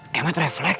kayaknya itu refleks